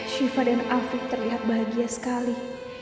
syifa dan afiq terlihat bahagia sekali